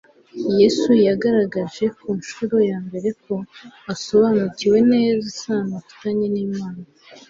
Yesu yagaragaje ku nshuro ya mbere ko asobanukiwe neza isano afitanye n'Imana.